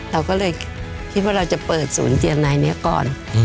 เราก็เลยคิดว่าเราจะเปิดศูนย์เจียรนายนี้ก่อน